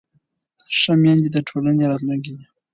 ښه میندې د ټولنې راتلونکی دي.